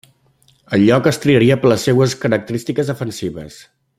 El lloc es triaria per les seues característiques defensives.